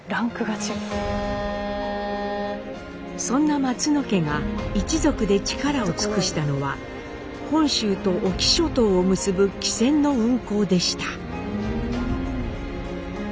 そんな松野家が一族で力を尽くしたのは本州と隠岐諸島を結ぶ汽船の運航でした。